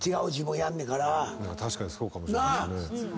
確かにそうかもしれないですね。